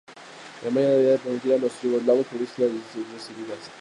Alemania debía además permitir a los yugoslavos publicar las concesiones recibidas.